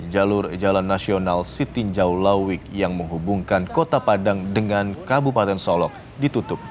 jalur jalan nasional sitinjau lawik yang menghubungkan kota padang dengan kabupaten solok ditutup